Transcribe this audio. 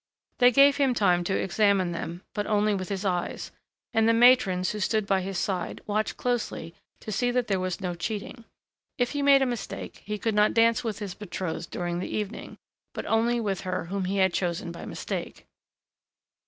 They gave him time to examine them, but only with his eyes, and the matrons, who stood by his side, watched closely to see that there was no cheating. If he made a mistake, he could not dance with his betrothed during the evening, but only with her whom he had chosen by mistake.